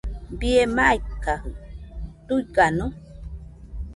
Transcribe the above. Bie maikajɨ¿tuigano?